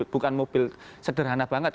bukan mobil sederhana banget